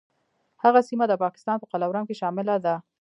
هغه سیمه د پاکستان په قلمرو کې شامله ده.